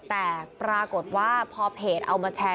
แต่ปรากฏว่าพอเพจเอามาแชร์